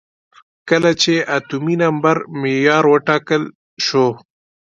کله چې اتومي نمبر معیار وټاکل شو.